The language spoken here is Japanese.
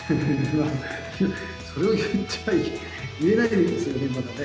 それを言っちゃあ、言えないですよね、まだね。